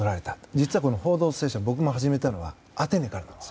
実は「報道ステーション」僕も始めたのはアテネからなんです。